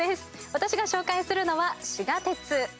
私が紹介するのは「しが鉄」。